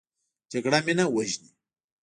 جګړه مینه وژني